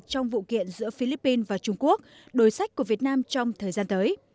trong vụ kiện giữa philippines và trung quốc đối sách của việt nam trong thời gian tới